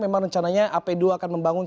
memang rencananya ap dua akan membangun